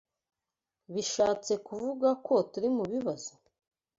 Bishatse kuvuga ko turi mubibazo?